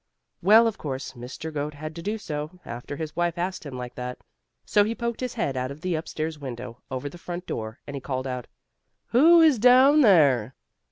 Well, of course, Mr. Goat had to do so, after his wife asked him like that. So he poked his head out of the upstairs window, over the front door, and he called out: "Who is down there?"